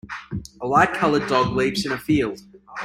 A light colored dog leaps in a field.